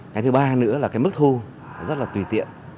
cái thứ ba nữa là cái mức thu rất là tùy tiện